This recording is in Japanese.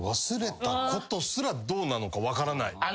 忘れたことすらどうなのか分からない？